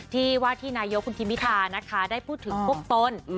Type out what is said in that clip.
ที่ว่าที่นายกคุณทิมพิธานะคะได้พูดถึงพวกตน